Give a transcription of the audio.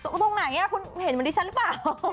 ตรงไหนคุณเห็นเหมือนดิฉันหรือเปล่า